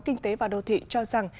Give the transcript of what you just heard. kinh tế và đô thị cho rằng